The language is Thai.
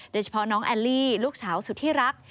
โดยเฉพาะน้องแอลลี่ลูกสาวสุดที่รัก